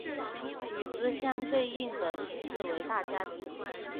与之相对应的形式为大家庭。